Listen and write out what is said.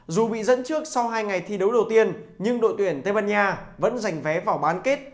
dù bị dẫn trước sau hai ngày thi đấu đầu tiên nhưng đội tuyển tây ban nha vẫn giành vé vào bán kết